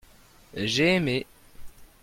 j'ai aimé.